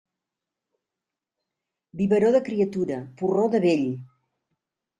Biberó de criatura, porró de vell.